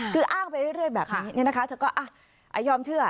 คืออ้างไปเรื่อยแบบนี้นะคะเธอก็ยอมเชื่อ